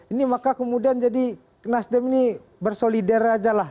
ini maka kemudian jadi nasdem ini bersolider aja lah